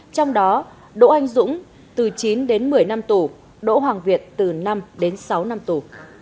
trong đó đỗ anh dũng từ chín đến một mươi năm tù đỗ hoàng việt từ năm đến sáu năm tù